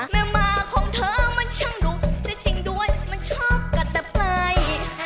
แม่มาของเธอมันช่างดูจะจริงด้วยมันชอบกันแต่ไป